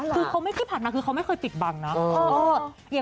คือเขาไม่เคยผ่านนะคือเขาไม่เคยติดบังนะ